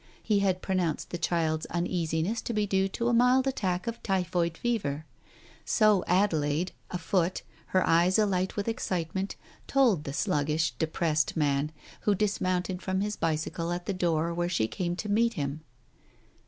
He had pronounced the child's uneasi ness to be due to a mild attack of typhoid fever, so Adelaide, afoot, her eyes alight with excitement, told the sluggish, depressed man who dismounted from his bicycle at the door where she came to meet him.